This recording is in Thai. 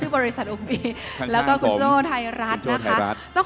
เพราะฉะนั้นเราทำกันเนี่ย